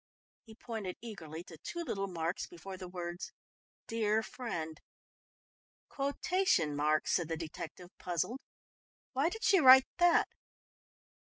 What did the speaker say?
He pointed eagerly to two little marks before the words "Dear friend." "Quotation marks," said the detective, puzzled. "Why did she write that?"